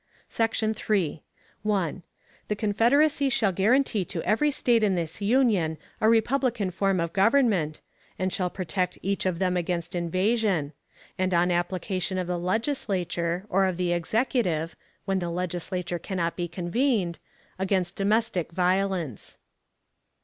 Section 3. 1. The Confederacy shall guarantee to every State in this Union a republican form of government, and shall protect each of them against invasion; and on application of the Legislature, or of the Executive (when the Legislature can not be convened), against domestic violence.